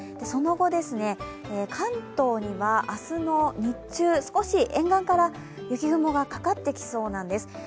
その後、関東には明日の日中、少し沿岸から雪雲がかかってきそうなんです。